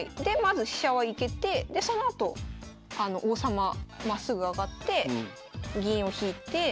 でまず飛車は行けてでそのあと王様まっすぐ上がって銀を引いて。